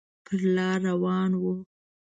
پر لار روان و.